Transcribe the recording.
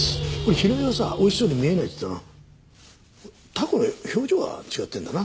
平井がさおいしそうに見えないって言ってたのはタコの表情が違ってんだな。